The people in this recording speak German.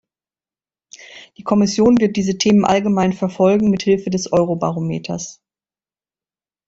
Die Kommission wird diese Themen allgemein verfolgen, mit Hilfe des Eurobarometers.